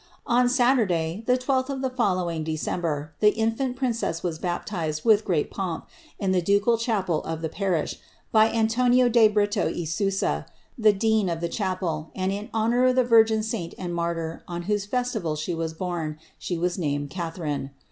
On Saturday, the 12 th of the following December, the in&nt princess was baptized, with great pomp, in the ducal chapel of the parish, by Antonio de Brito e Sousa, the dean of the chapel, and in honour of the virgin suint and martyr on whose festival she was bom, she was named Cutharine.